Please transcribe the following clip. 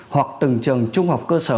hoặc từng trường trung học cơ sở